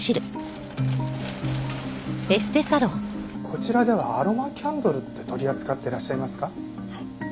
こちらではアロマキャンドルって取り扱ってらっしゃいますか？